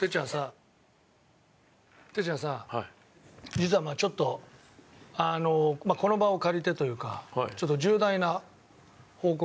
実はちょっとあのこの場を借りてというかちょっと重大な報告がありまして。